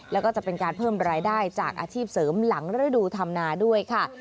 แล้วก็จะเป็นการเพิ่มรายได้จากอาชีพเสริมหลังฤดูธรรมนาด้วยค่ะ